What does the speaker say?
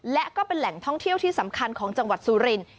และก็เป็นแหล่งท่องเที่ยวที่สำคัญของจังหวัดสุรินทร์